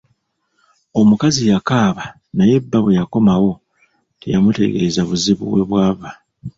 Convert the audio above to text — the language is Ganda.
Omukazi yakaaba naye bba bwe yakomawo teyamutegeeza buzibu we bwava.